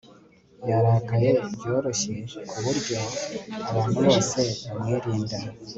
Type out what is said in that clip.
Yarakaye byoroshye kuburyo abantu bose bamwirinda